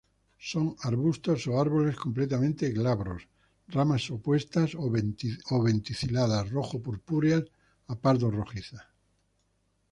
Son arbustos o árboles completamente glabros; ramas opuestas o verticiladas, rojo-purpúreas a pardo-rojizas.